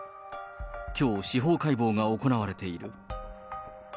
きょう、司法解剖が行われている。